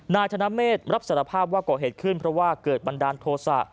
นายธนเมฆรับสารภาพว่าก่อเหตุขึ้นเพราะว่าเกิดบันดาลโทษะ